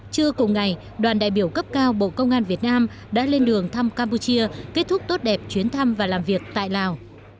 trưa cùng ngày đoàn đại biểu cấp cao bộ công an việt nam đã lên đường thăm campuchia kết thúc tốt đẹp chuyến thăm và làm việc tại lào